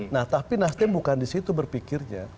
nah tapi nasdem bukan disitu berpikirnya